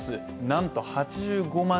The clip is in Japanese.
なんと８５万